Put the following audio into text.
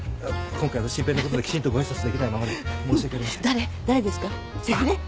今回は真平のことできちんとご挨拶できないままで申し訳ありません。